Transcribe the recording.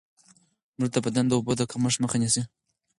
مېوې د بدن د اوبو د کمښت مخه نیسي.